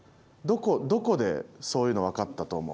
どこでそういうの分かったと思う？